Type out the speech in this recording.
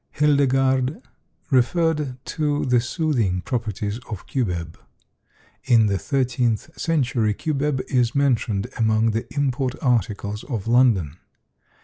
Hildegard referred to the soothing properties of cubeb. In the thirteenth century cubeb is mentioned among the import articles of London.